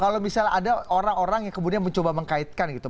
kalau misalnya ada orang orang yang kemudian mencoba mengkaitkan gitu